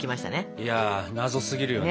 いや謎すぎるよね。